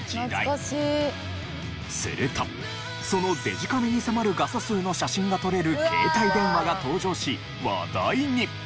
するとそのデジカメに迫る画素数の写真が撮れる携帯電話が登場し話題に。